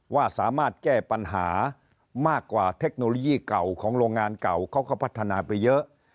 ว่าสามารถแก้ปัญหามากกว่าเทคโนโลยีเก่าของโรงงานเก่าเขาก็พัฒนาไปเยอะ